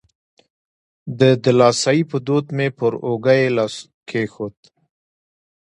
د دلاسایي په دود مې پر اوږه یې لاس کېښود.